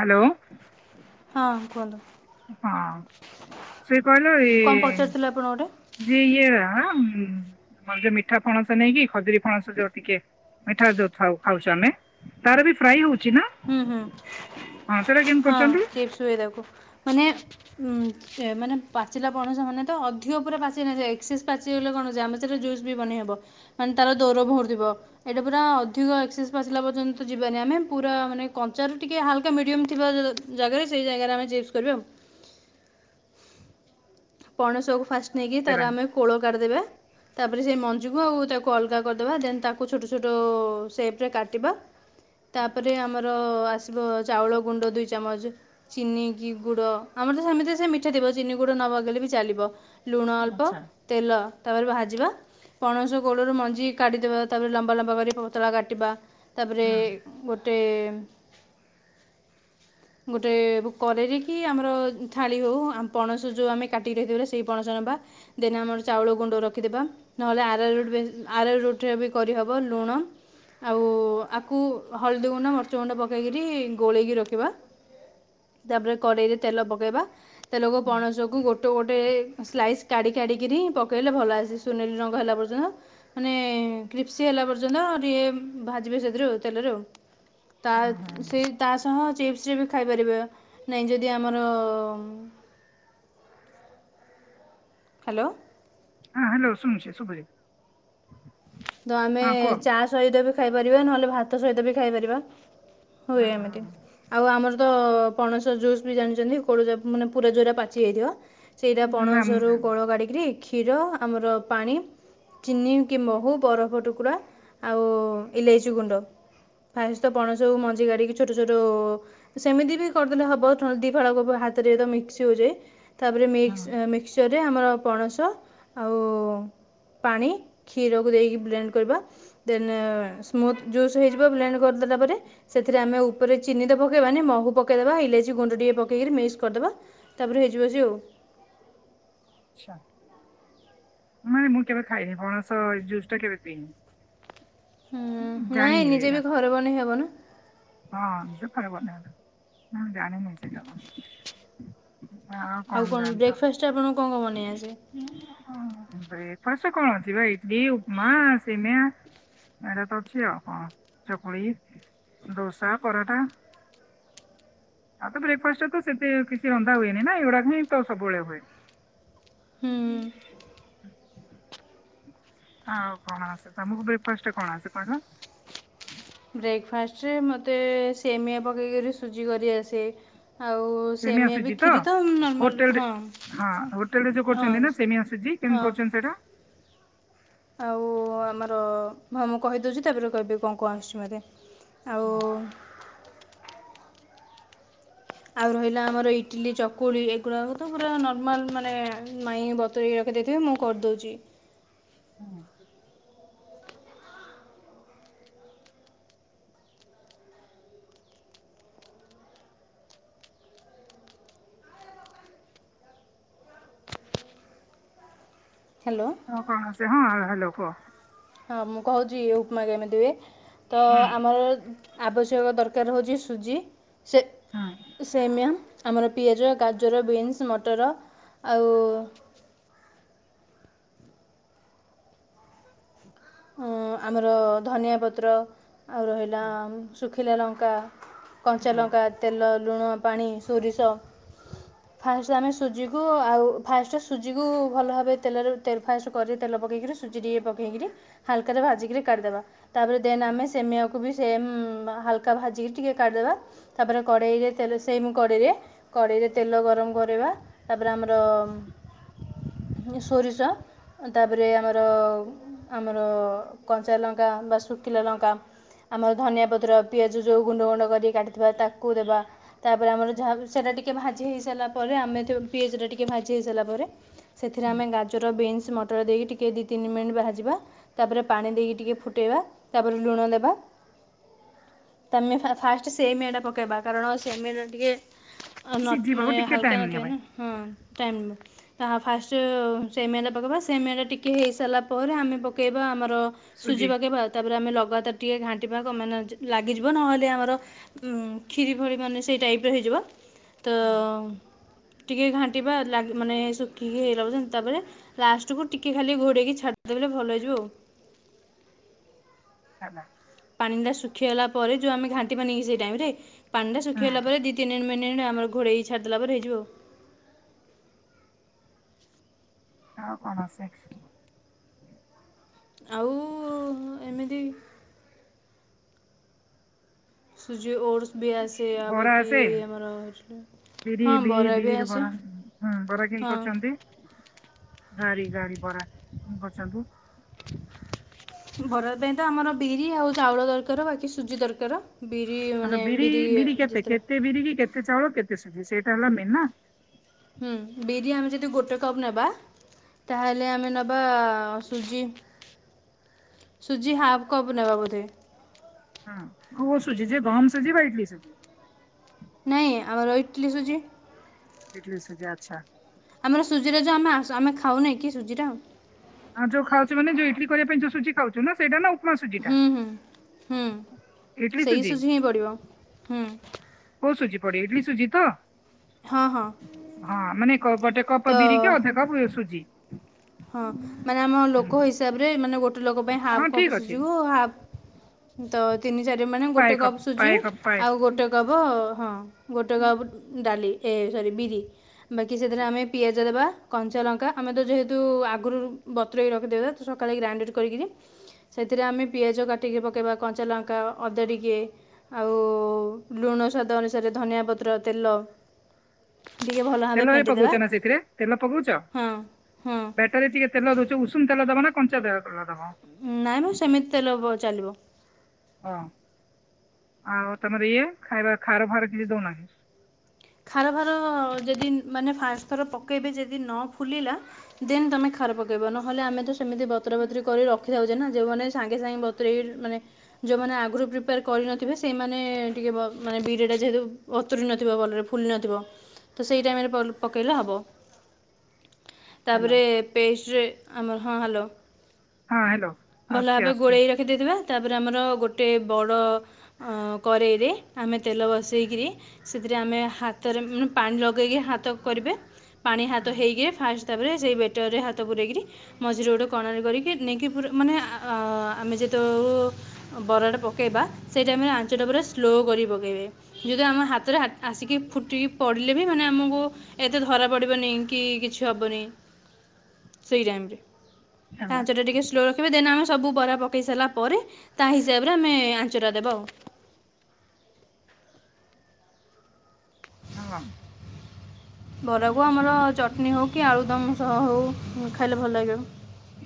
Hello. ହଁ କୁହନ୍ତୁ। ହଁ ସେ କହିଲ କଣ ଏଇ ପଚାରୁଥିଲେ ଆପଣ ଗୋଟେ ଯେ ଇଏ [unintelligible] ଆଉ ଯୋଉ ମିଠା ଫଣସ ନେଇକି ଖଜୁରୀ ଫଣସ ଯୋଉ ଟିକେ ମିଠା ଯୋଉ ଖାଉଚନ୍ତି ତାର ବି ଫ୍ରାଇ ହଉଚି ନା? ହଁ ସେଇଟା କେମିତି ହୁଁ-ହୁଁ-ହଁ କରୁଛନ୍ତି? [unintelligible] ହୁଏ ତାକୁ ମାନେ ଉଁ ସେ ମାନେ ପାଚିଲା ପଣସ ମାନେ ତ ଅଧିକ ଉପରେ ପାଚେନି ସେ ଏକ୍ସେସ୍ ପାଚିଲେ କଣ [unintelligible] ଆମ ସେହିରେ ଜୁସ୍ ବି ବନେଇ ହେବ। ମାନେ ତାର ଦୌର [unintelligible] ଥିବ ଏଇଟା ପୁରା ଅଧିକ ଏକ୍ସେସ୍ ଆସିଲା ପର୍ଯ୍ୟନ୍ତ ଯିବାନି ଆମେ ପୁରା ମାନେ କଞ୍ଚାରୁ ଟିକେ ହାଲକା ମିଡ଼ିୟମ୍ ଥିବା ଜାଗାରେ ସେଇ ଜାଗାରେ ଆମେ ଚିପ୍ସ କରିବା ଆଉ। ପଣସକୁ ଫାଷ୍ଟ ନେଇକି ତାର ଦେବାନି। ଆମେ କୋଳ କାଢିଦେବେ। ତାପରେ ସେଇ ମଞ୍ଜିକୁ ଆଉ ତାକୁ ଅଲଗା କରିଦବା ଦେନ୍ ତାକୁ ଛୋଟ-ଛୋଟ ସେପ୍ରେ କାଟିବା। ତାପରେ ଆମର ଆସିବ ଚାଉଳ ଗୁଣ୍ଡ ଦୁଇ ଚାମଚ୍ ଚିନି କି ଗୁଡ ଆମର ତ ସେମିତି ସେ ମିଠା ଥିବ, ଚିନି ଗୁଡ [unintelligible] ବି ଚାଲିବ, ଲୁଣ ଅଳ୍ପ ଆଚ୍ଛା। ତେଲ ତାପରେ ଭାଜିବା ପଣସ ଗୋଳରୁ ମଞ୍ଜି କା଼ଢିଦେବା ତାପରେ ଲମ୍ବା-ଲମ୍ବା କରି ପତଳା କାଟିବା। ତାପରେ ହଁ ଗୋଟେ ଗୋଟେ କରେଇରେ କିି ଆମର ଥାଳି ହଉ ଆମ ପଣସ ଯୋଉ [unintelligible] କାଟିକି [unintelligible] ସେଇ ପଣସ ନବା, ଦେନ୍ ଆମର ଚାଉଳ ଗୁଣ୍ଡ ରଖିଦେବା ନହେଲେ ଆରା ରୁଟ୍ ଆରା ରୁଟ୍ରେ ବି କରିହବ, ଲୁଣ ଆଉ ଆକୁ ହଳଦୀ ଗୁଣ୍ଡ ମର୍ଚ୍ଚ ଗୁଣ୍ଡ ପକେଇକିରି ଗୋଳେଇକି ରଖିବା। ତାପରେ କଡ଼େଇ ରେ ତେଲ ପକେଇବା, ତେଲକୁ ପଣସକୁ ଗୋଟେ ସ୍ଲାଇସ୍ କାଢି କାଢିକିରି ପକେଇଲେ ଭଲ ଆସେ ସୁନେଲି ରଙ୍ଗ ହେଲା ପର୍ଯ୍ୟନ୍ତ ମାନେ କ୍ରିସ୍ପି ହେଲା ପର୍ଯ୍ୟନ୍ତ ଟିକେ ଭାଜିବେ ସେଥିରୁ ଆ ତେଲରେ ଆଉ। ତା ହଁ ସେ ତା ସହ ଚିପ୍ସରେ ବି ଖାଇପାରିବେ, ନାଇଁ ଯଦି ଆମର ହାଲୋ। ହଁ ହାଲୋ [inaudible] ତ ଆମେ କୁହ ଚା ସହିତ ବି ଖାଇପାରିବା, ନହେଲେ ଭାତ ସହିତ ବି ଖାଇପାରିବା। ହୁଏ ହଁ ଏମିତି। ହଁ ଆଉ ଆମର ତ ପଣସ ଜୁସ୍ ବି ଜାଣିଚନ୍ତି [unintelligible] ମାନେ ପୁରା ଜୋଉରା ପାଚିଯାଇଥିବ ସେଇଟା ନା ମୁଁ ପଣସରୁ ଜାଣିନି। କୋଳ କାଢ଼ିକରି କ୍ଷୀର ଆମର ପାଣି ଚିନି କି ମହୁ ବରଫ ଟୁକୁଡ଼ା ଆଉ ଇଲେଇଚି ଗୁଣ୍ଡ ଫାଷ୍ଟ ତ ପଣସରୁ ମଞ୍ଜି କାଢିକି ଛୋଟ-ଛୋଟ ସେମିତି ବି କରିଦେଲେ ହବ ଦି ଫାଳ ହାତରେ ମିକ୍ସି ହଇଯାଏ ତାପରେ ହଁ ମିକ୍ସି ମିକ୍ସି। ଚରେ ଆମର ପଣସ ଆଉ ପାଣି ଖିର କୁ ଦେଇିକି। ବ୍ଲେଣ୍ଡ କରିବା ଦେନ୍ ସ୍ମୁଥ୍ ଜୁସ୍ ହୋଇଯିବ ବ୍ଲେଣ୍ଡ କରିଦେଲା ପରେ। ସେଥିରେ ଆମେ ଉପରେ ଚିନି ତ ପକାଇବାନି ମହୁ ପକେଇଦବା ଇଲାଇଚି ଗୁଣ୍ଡ ଟିକ ପକେଇକି ମିକ୍ସ କରିଦବା। ତାପରେ ହେଇଯିବ [inaudible] ଆଉ। ଆଛା ମାନେ ମୁଁ କେବେ ଖାଇନି ପଣସ ଜୁସ୍ ଟା କେବେ ପିଇନି। ମୁଁ ହୁଁ ନାଇଁ ଜାଣିନି ନିଜେ ଏଇଟା ବି ଘରେ ବନେଇ ହବ ନା। ହଁ ଖରାବର ନା ଜାଣି ନାଇଁ ସେ ତମ। ହ ଆଉ କଣ ଜାଣିଛ? ବ୍ରେକଫାଷ୍ଟ ଆପଣଙ୍କୁ କ'ଣ କ'ଣ ବନେଇ ଆସେ ହଁ [inaudible] କଣ ଅଛି ଇିଟିଲି ଉପମା ସିମିଆ। ଏଟା ତ ଅଛି ଆଉ କଣ ଚକୁଳି ଦୋସା ପରଟା। ଆଉ ତ ବ୍ରେକ୍ଫାଷ୍ଟଟରେ ତ ସେମିନ୍ତି କିଛି ରନ୍ଧା ହୁଏନି ନା ଏଗୁଡାକ ହିଁ ତ ସବୁବେଳେ ହୁଏ। ହୁଁ। ଆଉ କଣ ଆସେ ତମକୁ ବ୍ରେକ୍ଫାଷ୍ଟଟରେ କଣ ଆସେ [inaudible] ବ୍ରେକ୍ଫାଷ୍ଟରେ ମୋତେ ସେମିଆ ପକେଇକରି ସୁଜି କରିଆସେ। ଆଉ ସେମିଆ ବି ଆସୁଛି ତ କ୍ଷୀରି ନର୍ମାଲ୍ ହୋଟେଲରେ ହଁ ହଁ ହୋଟେଲରେ ଯୋଉ ହଁ କରୁଛନ୍ତି ନା ସେମିଆ ସୁଜି। ହଁ କେମିତି କରୁଛନ୍ତି ସେଇଟା? ଆଉ ଆମର ମୁଁ କହିଦଉଛି ତାପରେ କହିବି କଣ କଣ ଆସିୁଛି ମତେ। ଆଉ। ଆଉ ରହିଲା ଆମର ଇଟିଲି ଚକୁଳି ଏଗୁଡ଼ାକ ତ ପୁରା ନର୍ମାଲ ମାନେ ମାଇଁ ବ ତ ଏ ଏବେ ଦେଇଦେବେ ମୁଁ କରିଦଉଚି। ହୁଁ। ହାଲୋ। ହ କଣ ଆସେ ହଁ ହାଲୋ କୁହ। ହଁ ମୁଁ କହୁଛି ଉପମା କେମିତି ହୁଏ ତ ହୁଁ ଆମର। ଆବଶ୍ୟକ ଦରକାର ହେଉଛି ସୁଜି ସେ ହୁଁ ସେ ମ୍ୟାମ୍ ଆମର। ପିଆଜ ଗାଜର ବିନ୍ସ ମଟର ଆଉ। ଅ ଆମର ଧନିଆ ପତ୍ର ଆଉ ରହିଲା ଶୁଖିଲା ଲଙ୍କା। ହୁଁ କଞ୍ଚାଲଙ୍କା ତେଲ ଲୁଣ ପାଣି ସୋରିଷ। ହଁ ଫାଷ୍ଟ ଆମେ ସୁଜିକୁ ଆଉ ଫାଷ୍ଟ ସୁଜିକୁ ଭଲ ଭାବେ ତେଲରେ ତେ ଫାଷ୍ଟ କରିିକ ତେଲ ପକେଇକିରି। ସୁଜି ଟିକିଏ ପକେଇକିରି ହାଲ୍କାରେ ଭାଜିକି କାଢିଦବା ତାପରେ ଦେନ ଆମେ ସେମିଆକୁ ବି। ସେମ୍ ହାଲକା ଭାଜିକି ଟିକେ କାଢ଼ିଦେବା ତାପରେ କଡ଼େଇରେ ତେଲ ସେମ କଡ଼େଇରେ। କଡ଼େଇରେ ତେଲ ଗରମ କରିବା ତାପରେ ଆମର। ସୋରିଷ ତାପରେ ଆମର। ର କଞ୍ଚା ଲଙ୍କା ବା ଶୁଖିଲା ଲଙ୍କା। ଆମର ଧନିଆ ପତ୍ର ପିଆଜ ଯେଉଁ ଗୁଣ୍ଡ ଗୁଣ୍ଡ କର କାଟିଥିବା ତାକୁ ଦେବା। ତାପରେ ଆମର ଯାହା ସେଟା ଟିକେ ଭାଜି ହେଇ ସାରିଲା ପରେ ଆମେ ପିଆଜ ଟା ଟିକେ ଭାଜି ହେଇ ସାରିଲା ପରେ। ସେଥିରେ ହୁଁ ଆମେ ଗାଜର ବିନ୍ସ ମଟର ଦେଇକି ଟିକିଏ ଦୁଇ ତିନି ମିନିଟ୍ ଭାଯିବା। ତାପରେ ପାଣି ଦେଇକି ଟିକେ ଫୁଟାଇବା ତାପରେ ଲୁଣ ଦେବା। ତମେ ଫାଷ୍ଟ ସେମ ଏଟା ପକାଇବା କାରଣ ସେମିଆଟା ଟିକେ। ନ ସିଝିବାକୁ ମାନେ ଟିକେ ଟାଇମ ହାଲକା ନିଏ ନଥିବ ଭାଇ ନା ହଁ ଟାଇମ୍। ତାହା ଫାଷ୍ଟ ସେମେରେ ପକେଇବା ସେମେରେ ଟିକେ ହେଇସାରା ପରେ ଆମେ ପ ପକେଇବା ଆମର ସୁଜି ପକେଇବା। ତାପରେ ଆମେ ଲଗାତାର ଟିକେ ଘାଣ୍ଟିବା ମାନେ ଲାଗିଯିବ ନହେଲେ ଆମର। ଉ କ୍ଷିରି ଭଳି ମାନେ ସେଇ ଟାଇପ୍ର ହେଇଯିବ ତ ଟିକେ ଘାଣ୍ଟିବା ଲାଗି ମାନେ ଶୁଖିକି ହେଲା ପ ତାପରେ ଲାଷ୍ଟକୁୁ ଟିକେ ଖାଲି ଘୋଡେଇକି ଛାଡିଦେଲେ ଭଲ ହେଇଯିବ ଆଉ। କାହ୍ନା। ପାଣି ଟା ଶୁଖିଗଲା ପରେ ଯୋଉ ଆମେ ଘାଣ୍ଟିିବାନି କି ସେଇ ଟାଇମରେ ପାଣି ଟା ଶୁଖିଗଲା ପରେ ଦି ତିନିି ମିନି ନେ ଆମର ଘରେଇକି ଛାଦଲା ପରେ ହେଇଯିବ ଆଉ। ଆଉ କୌଣସି ଆଉ ଏମିତି ସୁଝି ଓର୍ ବି ଆସେ ଆଉ ବରା ବାକି ଆସେ ଆମର ବିରି ହଁ ବିରି ବରା ବି ବିରି ଆସେ ବରା ହଁ ବରା କି ହଁ କରୁଚନ୍ତି। ଗାଡି ଗାଡି ବରା କରୁଚନ୍ତି। ବରା ପାଇଁ ତ ଆମର ବିରି ଆଉ ଚାଉଳ ଦରକାର ବାକି ସୁଜି ଦରକାର। ବିରି ଆ ବିରି ବିରି କେତେ ଯେତେଟା କେତେ ବିରିି କି କେତେ ଚାଉଳ କେତେ ସୁଝି ସେଇଟା ହେଲା ମେନ୍ ନା। ହୁଁ ବିରି ଆମେ ଯଦି ଗୋଟେ କପ୍ ନେବା ତାହେଲେ ଆମେ ନେବା ସୁଜି ସୁଜି ହାପ କପ୍ ନବା ବୋଧେ। ହଁ କଉ ଶୁଝି ଯେ ଗହମ୍ ସୁଜି ପାଇଥିଲ ସେଠୁ। ନାଇ ଆମର ଇଟଲିି ସୁଝି। ଇଟିଲି ସୁଜି ଆଚ୍ଛା। ଆମର ସୁଜିରେ ଯୋଉ ଆମେ ଆ ଆମେ ଖାଉନାକି ସୁଜିର ଆଉ ଯୋଉ ଖାଉଚୁ ମାନେ ଯୋ ଇଟଲି କରିବା ପାଇଁ ଯଉ ସୁଜି ଖାଉଚୁ ନା ସେଇଟା ନା ଆଉ ମା ସୁଜି ଟା ହୁଁ ହୁଁ ଇଟଲି ସୁଜି। ପଡିବ। ହୁଁ। କଉ ସୁଝି ପଦେ ଇଡଲି ସୁଜି ତ? ହଁ ହଁ ହଁ ମାନେ ଗୋଟେ କପ ତ ବିରି କି ଅଧା କପା ସୁଜି। ହଁ ମାନେ ଆମ ଲୋକ ହିସାବରେ ମାନେ ଗୋଟେ ଲୋକ ପାଇଁ ହଁ ହାଫ୍ ଠିକ କପ୍ ଅଛି। ସୁଝିବ ହାପ ତ ତିନି ଚାରି ମାନେ ପାଏ ଗୋଟେ କପ୍ ସୁଜି ପାଏ କପ୍ ପାଏ ଆଉ କପ୍ ଗୋଟେ କପ ହଁ ଗୋଟ ଗା ଡାଲି ଏ ସରି ବିରି ବାକି ସେଥିରେ ଆମେ ପିଆଜ ଦେବା କଞ୍ଚା ଲଙ୍କା ଆମେ ତ ଯେହେତୁ ଆଗରୁ ବତରେଇ କି ରଖିଦେଇଥିବା ତ ସକାଳେ ଗ୍ରାଇଣ୍ଡେଡ୍ କରିକିରି ସେଥିରେ ଆମେ ପିଆଜ କାଟିକି ପକେଇବା କଞ୍ଚା ଲଙ୍କା ଅଦା ଟିକେ ଆଉ ଲୁଣ ସ୍ୱାଦ ଅନୁସାରେ ଧନିଆ ପତ୍ର, ତେଲ ଟିକେ ଭଲ ଭାବେ ତେଲ ଫେଣ୍ଟି ପକଉଛ ଦେବା ନା ସେଥିରେ ହୁଁ ହୁଁ। ସେତେବେଳେ ଟିକେ ତେଲ ହୋଉଚି ଉଷୁମ ତେଲ ଦବା ନା କଞ୍ଚା ତେ ତଲ ଦବା? ନାଇଁ ମ ସେମିତି ତେଲ ଚାଲିବ। ଓ ଆଉ ତମର ଇଏ ଖାଇବା ଖାର ଫାର କିଛି ଦଉନା। ଖାର ଫାର ଯଦି ମାନେ ଫାଷ୍ଟଥର ପକେଇବେ ଯଦି ନ ଫୁଲିଲା ଦେନ୍ ତମେ ଖାର ପକେଇବ ନହେଲେ ଆମେ ତ ସେମିତି ବତରା ବତରି କରି ରଖିଥାଛେନା ଯୋଉମାନେ ସାଙ୍ଗେ ସାଙ୍ଗେ ବତୁରେଇ ମାନେ ଯେଉଁମାନେ ଆଗରୁ ପ୍ରିପେୟାର କରିନଥିବେ ସେଇମାନେ ଟିକେ ମାନେ ବିଡ଼ିଟା ଯେହେତୁ ବତୁରି ନଥିବ ଭଲରେ ଫୁଲି ନଥିବ ତ ସେଇ ଟାଇମରେ ପକେଇଲେ ହେବ। ହ୍ୟାଲୋ ତାପରେ ପେଷ୍ଟରେ ଆମର ହଁ ହାଲୋ। ହଁ ହାଲୋ। ଭଲ ଭାବେ ଗୋଳେଇ ରଖିଦେଇଥିବା ତାପରେ ଆମର ଗୋଟେ ବଡ଼ ହାଁ କରେଇରେ ଆମେ ତେଲ ବସେଇକରି ସେଥିରେ ଆମେ ହାତରେ ପାଣି ଲଗେଇକି ହାତ କରିବେ। ପାଣି ହାତ ହଁ ହେଇକିରି ଫାଷ୍ଟ ତାପରେ ସେଇ ବେଟରରେ ହାତ ପୁରେଇକିରି ମଝିରେ ଗୋଟେ କଣାରେ କରିକି ନେଇକି ପୁର ମାନେ ଆମେ ଯେତୁ ବରାଟା ପକାଇବା ସେଇ ଟାଇମରେ ଆଞ୍ଚଟା ପୁରା ସ୍ଲୋ କରି ପକାଇବେ। ଯଦି ଆମ ହାତରେ ଆସିକି ଫୁଟିକି ପଡ଼ିଲେ ବି ମାନେ ଆମକୁ ଏତେ ଧରା ପଡ଼ିବନି କି କିଛି ହେବନି ସେୟା। ହେଲା ଆଞ୍ଚଟା ଟା ଟିକେ ସ୍ଲୋ ରଖିବେ ଦେନ ଆମେ ସବୁ ବରା ପକେଇ ସାରିଲା ପରେ ତା ହିସାବରେ ଆମେ ଆଞ୍ଚରାା ଦେବା ଆଉ। ହଁ। ବରାକୁ ଆଚ୍ଛା ଆମର ଚଟଣି ହେଉ କି ଆଳୁଦମ୍ ସହ ହେଉ ଖାଇଲେ ଭଲ ଲାଗିବ।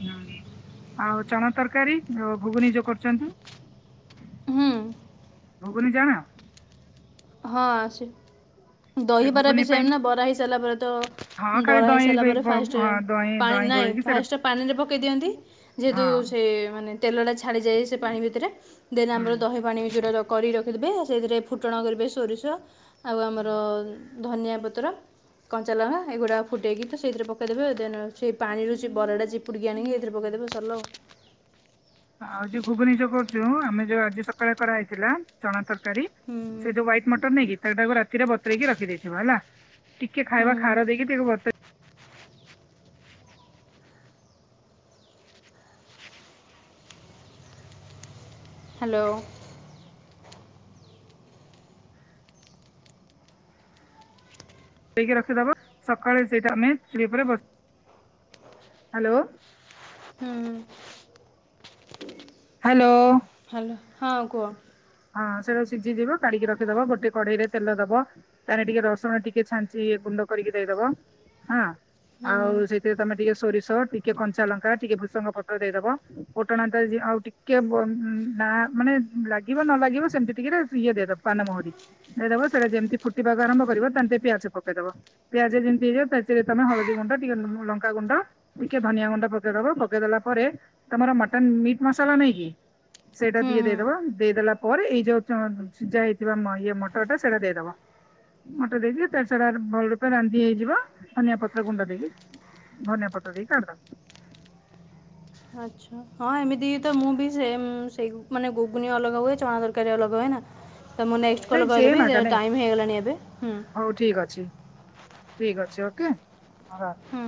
ହୁଁ ଆଉ ଚଣା ତରକାରୀଉ ଘୁଗୁନି ଯୋଉ କରୁଛନ୍ତି? ହୁଁ। [unintelligible] ହଁ। ଏ ଦହିବରା ବି ଘୁଗୁନି ପାଇଁ ସେମ୍ ନା ବରା ହେଇସାରିଲା ପରେ ହଁ ତ ଖାଲି ବରା ଦହି ହେଇସାରିଲା ଦହି ପରେ ଗ- ଫାଷ୍ଟ ହଁ, ଦହି ପାଣି ଦହି ନାହିଁ। ଗୋଳେଇକି ସେଇଟା ଫାଷ୍ଟ ପାଣିରେ ପକାଇ ଦିଅନ୍ତି ଯେହେତୁ ହଁ ସେ ମାନେ ତେଲଟା ଛାଡ଼ିଯାଏ ସେ ପାଣି ଭିତରେ। ଦେନ୍ ଆମର ଦହି ପାଣିଉଟା ରଖ କରି ରଖିଥିବେ ସେଇଥିରେ ଫୁଟଣ କରିବେ ସୋରିଷ ଆଉ ଆମର ଧନିଆ ପତ୍ର। କଞ୍ଚା ଲଙ୍କା ଏଗୁଡ଼ାକ ଫୁଟାଇକି ତ ସେଇଥିରେ ପକାଇଦେବେ ଦେନ୍ ସେଇ ପାଣିରୁ ଯେ ବରା ଟା ପୁଣି ହୁଁ। ଆଣିି ଏତିର୍ ପ ଦେବେ ସରିଲା ଆଉ। [inaudible] ଆଉ ଯ ଖୁବ ନିଯ କରୁଛୁ ଆମେ ଯୋଉ ଆଜି ସକାଳେ କରାହେଇଥିଲା ଚଣା ତରକାରୀ ହୁଁ ସେ ଯୋଉ ହ୍ୱାଇଟ୍ ମଟର ନେଇକି ତାଟାକୁ ରାତିରେ ବତରେଇକି ରଖିଦେଇଥିବ ହେଲା। ଟିକେ ହୁଁ ଖାଇବା ଖାରା ଦେଇକି ହ୍ୟାଲୋ। ଦେଇକି ରଖିଦବା ସକାଳେ ସେଇଟା ଆମେ ଚ ଉପରେସ ହ୍ୟାଲୋ। ହୁଁ ହ୍ୟାଲୋ। ହ୍ୟାଲୋ ହଁ କୁହ ହଁ ସେଇଟା ସିଝି ଦିବ କଢିକି ରଖିଦବ ଗୋଟେ କଢେଇ ରେ ତେଲ ଦବ। ତାେଲେ ଟିକେ ଦର୍ଶନ ଟିକେ ଛାଞ୍ଚି ଗୁଣ୍ଡ କରିକି ଦେଇଦବ ହଁ ହୁଁ ହୁଁ ଆଉ ସେ ସେ ତମେ ଟିକେ ସୋରିଷ ଟିକେ କଞ୍ଚା ଲଙ୍କା ଟିକେ ଭୃସଙ୍ଗ ପତ୍ର ଦେଇଦବ କୋଟଣା ଆଉ ଟିକେ ନା ମାନେ ଲାଗିବ ନ ଲାଗିବ ସେମତି ଟିକେ ଇଏ ଦେଇଦବ ପାନମହୁରି। ହେଦବ ସେଇଟା ଯେମିତି ଫୁଟିବାକୁ ଆରମ୍ଭ କରିବ ତାମେ ପିଆଜ ପକେଇଦବ। ପିଆଜ ଯେମିତିଇଯିବ ତାଚରେ ତମେ ହଳଦୀ ଗୁଣ୍ଡ ଟିକେ ଲଙ୍କା ଗୁଣ୍ଡ। ଟିକେ ଧନିଆ ଗୁଣ୍ଡ ପକେଇଦବ ପକେଇଦେଲା ପରେ ତମର ମଟନ ମିଟ୍ ମ ମସଲା ନାଇକି ସେଟା ହୁଁ ହୁଁ ଦେଇ ପରେ ଏଇ ଯୋଉ ସି ଯା ହେଇଥିବା ଇ ମଟରଟା ସେଇଟା ଦେଇଦବା। ମୋଟା ଦେଇଦି ତାାର ସଡା ଭଲ ରୂପେ ରାନ୍ଧି ହେଇଯିବ ଧନିଆ ପତ୍ର ଗୁଣ୍ଡ ଦେଇକି। ଧନିଆ ପତ୍ର ଦେଇ କାଡ଼ି ଦେବ। ଆଛା ହଁ ଏମିତି ତ ମୁଁ ବି ସେ ସେଇ ମାନେ ଗୁଗୁନି ଅଲଗା ହୁଏ ଚଣା ତରକାରୀ ଅଲଗା ହୁଏ ନା ତ ମୁଁ ନେକ୍ସଟ କଲ୍ ନାଇଁ ସେମ୍ କହିଦେବି ଆକା ନାଇଁ ଟାଇମ ହେଇଗଲାଣି ଏବେ ହୁଁ। ହଉ ଠିକ୍ ଅଛି। ଠିକ ଅଛି ଓକେ। ହୁଁ